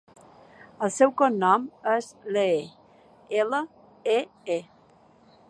El seu cognom és Lee: ela, e, e.